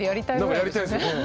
なんかやりたいですね。